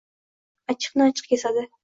Achchiqni - achchiq kesadi.